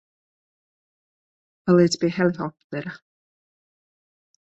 Paliec pie helikoptera.